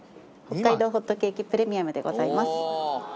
北海道ほっとけーきプレミアムでございます。